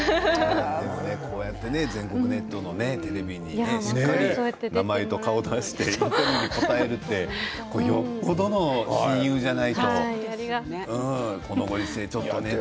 こうやって全国ネットのテレビにしっかり名前と顔を出して答えるってよっぽどの親友じゃないとこのご時世ちょっとね。